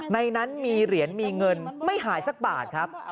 ในนั้นมีเหรียญมีเงินไม่หายสักบาทครับ